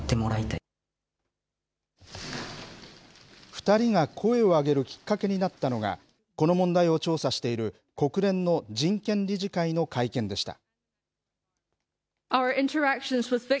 ２人が声を上げるきっかけになったのが、この問題を調査している国連の人権理事会の会見でした。